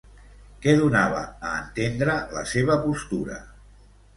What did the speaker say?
Què donava a entendre la seva postura?